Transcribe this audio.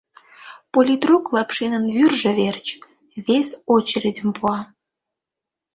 — Политрук Лапшинын вӱржӧ верч! — вес очередьым пуа.